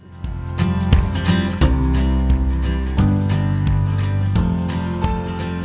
kepala rth di jakarta